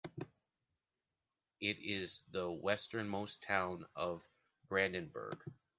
It is the westernmost town of Brandenburg.